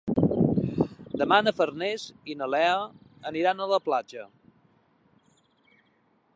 Demà na Farners i na Lea aniran a la platja.